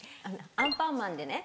『アンパンマン』でね